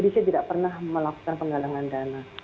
jadi saya tidak pernah melakukan penggalangan dana